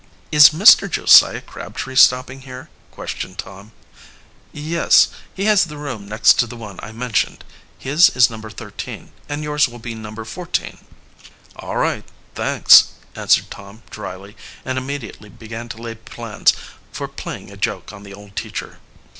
"Is Mr. Josiah Crabtree stopping here?" questioned Tom. "Yes. He has the room next to the one I mentioned his is No. 13, and yours will be No. 14." "All right; thanks," answered Tom dryly, and immediately began to lay plans for playing a joke on the old teacher.